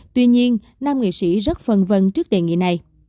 tuy nhiên nam nghệ sĩ rất phân vân trước đề nghị này